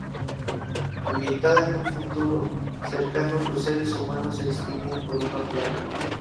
Ambientada en un futuro cercano, los seres humanos se extinguen por una plaga.